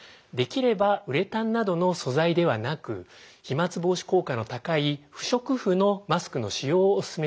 できればウレタンなどの素材ではなく飛まつ防止効果の高い不織布のマスクの使用をおすすめします。